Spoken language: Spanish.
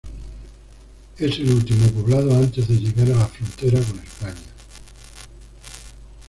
Es el último poblado antes de llegar a la frontera con España.